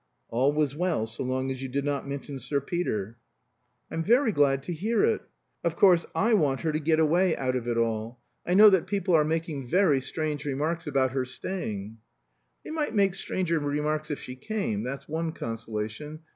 All was well so long as you did not mention Sir Peter. "I'm very glad to hear it." "Of course I want her to get away out of it all. I know that people are making very strange remarks about her staying " "They might make stranger remarks if she came, that's one consolation.